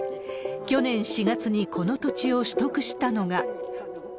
去年４月にこの土地を取得したのが。